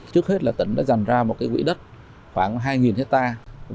trước hết là tỉnh đã dành ra một quỹ đất khoảng hai hectare